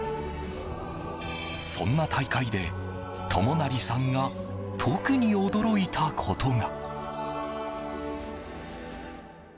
そんな大会で友成さんが特に驚いたことが。